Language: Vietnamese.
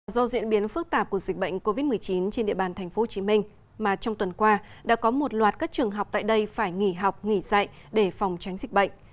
do diễn biến phức tạp của dịch bệnh covid một mươi chín trên địa bàn tp hcm mà trong tuần qua đã có một loạt các trường học tại đây phải nghỉ học nghỉ dạy để phòng tránh dịch bệnh